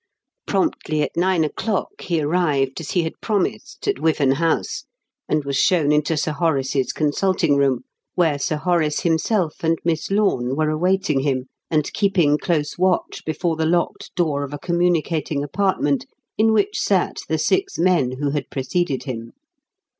Promptly at nine o'clock he arrived, as he had promised, at Wyvern House, and was shown into Sir Horace's consulting room, where Sir Horace himself and Miss Lorne were awaiting him, and keeping close watch before the locked door of a communicating apartment in which sat the six men who had preceded him.